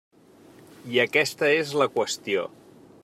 I aquesta és la qüestió.